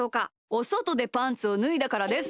おそとでパンツをぬいだからです。